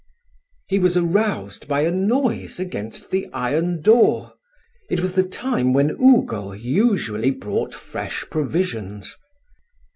He was aroused by a noise against the iron door: it was the time when Ugo usually brought fresh provisions.